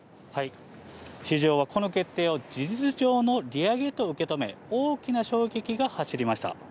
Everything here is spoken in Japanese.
市場はこの決定を事実上の利上げと受け止め、大きな衝撃が走りました。